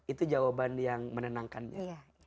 itu jawaban yang menenangkannya